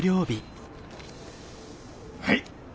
はい。